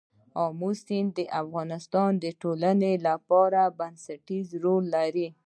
آمو سیند د افغانستان د ټولنې لپاره بنسټيز رول لري.